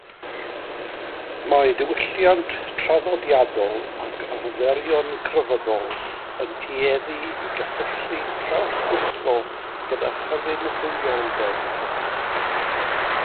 Mae diwylliant traddodiadol ac arferion crefyddol yn tueddu i gysylltu traws-wisgo gyda chyfunrhywioldeb.